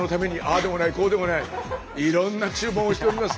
こうでもないいろんな注文をしております。